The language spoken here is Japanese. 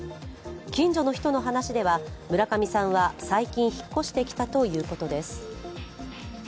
近所の人の話では村上さんは最近、引っ越してきたということです。